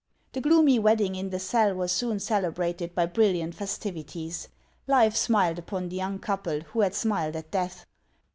The gloomv wedding in the cell was soon celebrated by O v O J brilliant festivities. Life smiled upon the young couple who had smiled at death.